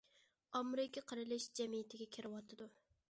ئامېرىكا قېرىلىشىش جەمئىيىتىگە كىرىۋاتىدۇ.